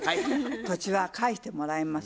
土地は返してもらえます。